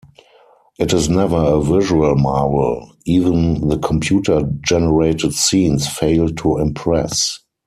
It is never a visual marvel - even the computer-generated scenes fail to impress.